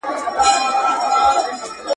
• په جار جار مي ښه نه کېږي، گېډه مي را مړه که.